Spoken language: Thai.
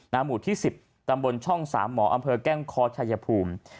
หมู่ที่๑๐ตำบลช่อง๓หมออำเภอแก้งคอชายภูมิ